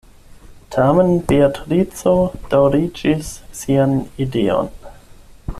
Tamen Beatrico daŭriĝis sian ideon.